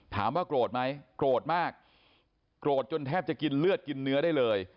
ถามว่าโกรธไหมโกรธมากโกรธจนแทบจะกินเลือดกินเนื้อได้เลย